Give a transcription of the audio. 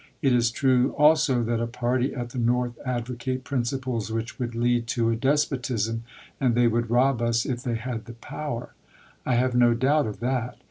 It is true also that a party at the North advocate principles which would lead to a despotism, and they would rob us if they had the power — I have no doubt of that.